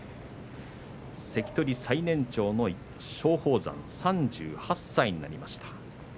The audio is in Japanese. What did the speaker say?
関取最年長の松鳳山、３８歳になりました。